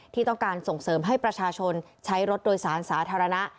ที่ต้องการส่งเสริมให้ประชาชนใช้รถโดยสารสาธารณะ